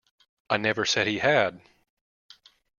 I never said he had.